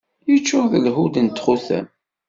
Yeččur d lḥud n txutam.